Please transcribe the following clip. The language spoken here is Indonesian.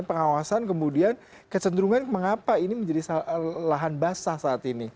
pengawasan kemudian kecenderungan mengapa ini menjadi lahan basah saat ini